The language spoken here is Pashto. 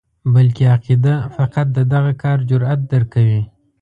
بلکې عقیده فقط د دغه کار جرأت درکوي.